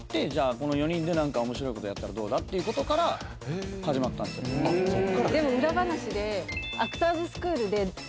この４人で何か面白いことやったらどうだっていうことから始まったんすよあっ